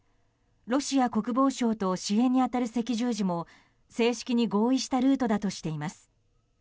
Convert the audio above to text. ロシア国防省と支援に当たる赤十字も正式に合意したルートだとしています。